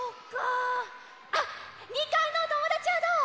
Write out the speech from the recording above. あっ２かいのおともだちはどう？